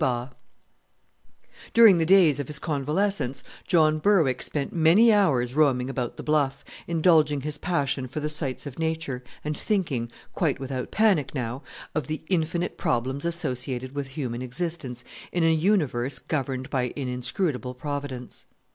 During the days of his convalescence John Berwick spent many hours roaming about the bluff, indulging his passion for the sights of Nature, and thinking quite without panic now of the infinite problems associated with human existence in an universe governed by an inscrutable Providence.